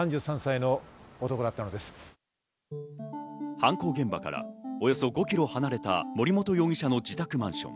犯行現場からおよそ５ｋｍ離れた森本容疑者の自宅マンション。